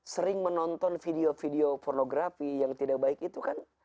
sering menonton video video pornografi yang tidak baik itu kan